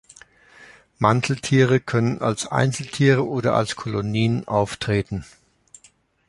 Manteltiere können als Einzeltiere oder als Kolonien auftreten.